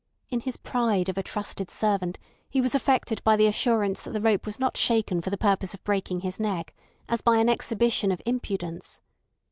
In his pride of a trusted servant he was affected by the assurance that the rope was not shaken for the purpose of breaking his neck, as by an exhibition of impudence.